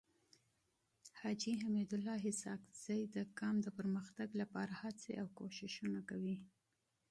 حاجي حميدالله اسحق زی د قوم د پرمختګ لپاره هڅي او کوښښونه کوي.